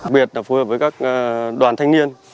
việt phù hợp với các đoàn thanh niên